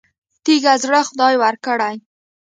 تیږه زړه خدای ورکړی.